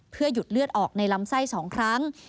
เพื่อหยุดเลือดออกในลำไส้๒ครั้ง